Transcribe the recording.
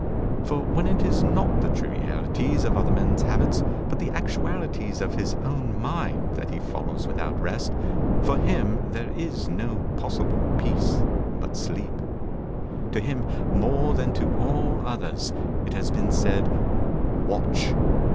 For when it is not the trivialities of other men's habits but the actualities of his own mind that he follows without rest, for him there is no possible peace but sleep. To him, more than to all others, it has been said, "Watch!"